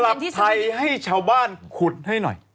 กลับไทยให้ชาวบ้านขุดให้หน่อย